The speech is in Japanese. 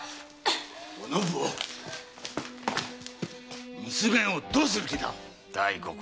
おのぶを娘をどうする気だ？